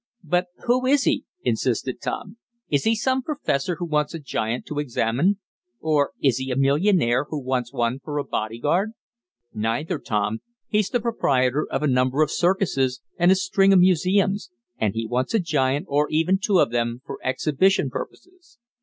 "But who is he?" insisted Tom. "Is he some professor who wants a giant to examine, or is he a millionaire who wants one for a body guard?" "Neither one, Tom. He's the proprietor of a number of circuses, and a string of museums, and he wants a giant, or even two of them, for exhibition purposes.